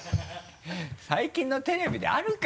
最近のテレビであるか？